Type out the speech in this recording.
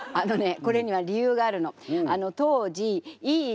これには理由があるの。